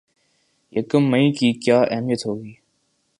یکم مئی کی کیا اہمیت ہوگی